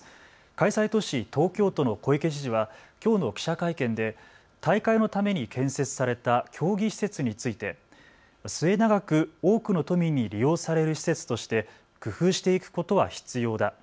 開催都市、東京都の小池知事はきょうの記者会見で大会のために建設された競技施設について末永く多くの都民に利用される施設として工夫していくことは必要だ。